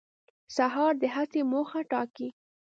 سهار د هڅې موخه ټاکي.